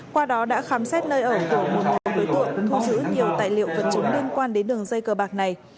qua đó đã khám xét nơi ở của một số đối tượng thu giữ nhiều tài liệu vật chứng liên quan đến đường dây cờ bạc này